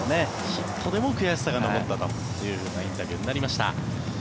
ヒットでも悔しさが残ったというインタビューになりました。